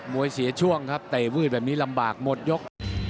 วยเสียช่วงครับเตะวืดแบบนี้ลำบากหมดยก